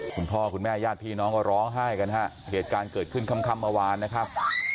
คุณพ่อคุณแม่ญาติพี่น้องก็ร้องไห้กันฮะเหตุการณ์เกิดขึ้นค่ำเมื่อวานนะครับ